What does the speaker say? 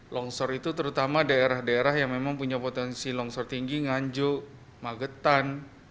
longsor itu terutama daerah daerah yang memang punya potensi longsor tinggi nganjuk magetan